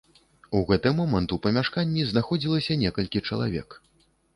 У гэты момант у памяшканні знаходзілася некалькі чалавек.